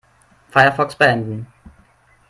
Firefox beenden.